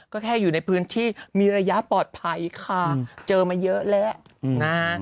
ก็แค่อยู่ในพื้นที่มีระยะปลอดภัยค่ะเจอมาเยอะแล้วนะฮะ